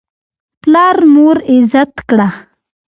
پلار مور عزت کړه.